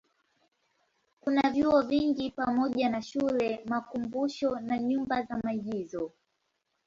Kuna vyuo vingi pamoja na shule, makumbusho na nyumba za maigizo.